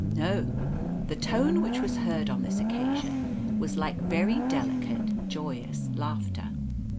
No; the tone which was heard on this occasion was like very delicate, joyous laughter.